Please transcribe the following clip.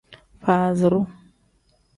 Faaziru.